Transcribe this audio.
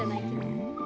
うん。